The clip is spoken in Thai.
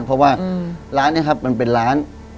เพราะว่าร้านนี้ครับมันเป็นร้าน